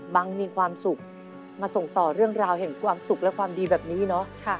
มีความสุขมาส่งต่อเรื่องราวแห่งความสุขและความดีแบบนี้เนาะ